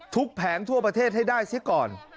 แผงทั่วประเทศให้ได้ซิก่อน